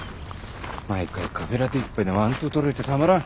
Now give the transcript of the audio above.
毎回カフェラテ一杯でマウントとられちゃたまらん。